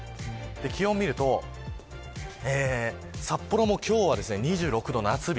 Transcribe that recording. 気温を見ると札幌も今日は２６度夏日。